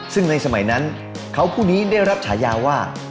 ซึ่งในสมัยนั้นเขาผู้นี้ได้รับฉายาว่า